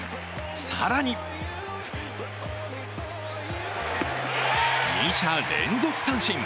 更に２者連続三振。